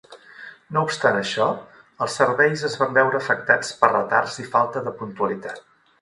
No obstant això, els serveis es van veure afectats per retards i falta de puntualitat.